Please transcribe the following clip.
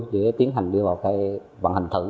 để tiến hành đưa vào vận hành thử